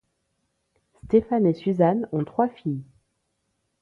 Stéphane et Suzanne ont trois filles.